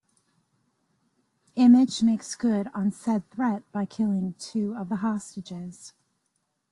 Image makes good on said threat by killing two of the hostages.